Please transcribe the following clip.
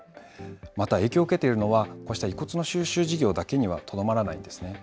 また、影響を受けているのは、こうした遺骨も収集事業だけにはとどまらないんですね。